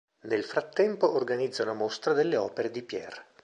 Nel frattempo, organizza una mostra delle opere di Pierre.